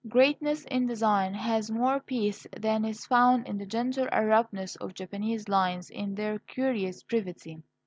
Greatness in design has more peace than is found in the gentle abruptness of Japanese lines, in their curious brevity.